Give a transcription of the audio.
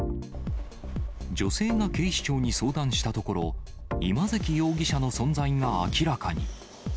女性が警視庁に相談したところ、今関容疑者の存在が明らかに。